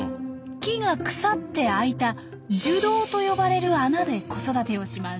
木が腐って開いた「樹洞」と呼ばれる穴で子育てをします。